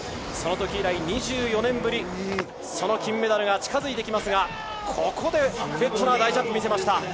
そのとき以来２４年ぶり、その金メダルが近づいてきますが、ここでフェットナー、いいジャンプを見せました。